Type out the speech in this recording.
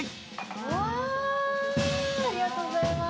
ありがとうございます。